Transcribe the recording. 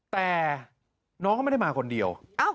แต่น้องก็ไม่ได้มาคนเดียว